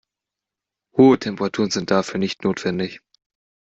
Hohe Temperaturen sind dafür nicht notwendig.